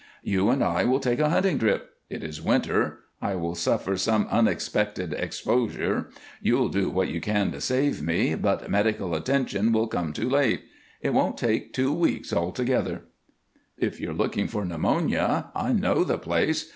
You and I will take a hunting trip; it is winter; I will suffer some unexpected exposure; you'll do what you can to save me, but medical attention will come too late. It won't take two weeks altogether." "If you're looking for pneumonia I know the place.